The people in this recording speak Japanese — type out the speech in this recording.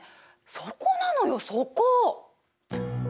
そこなのよそこ！